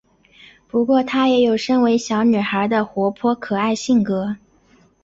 不过她也有身为小女孩的活泼可爱性格。